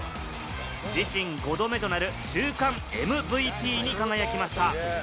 自身５度目となる週間ＭＶＰに輝きました。